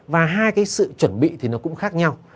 và hai cái sự chuẩn bị thì nó cũng khác nhau